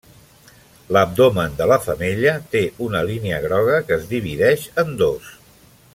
L'abdomen de la femella té una línia groga que es divideix en dos.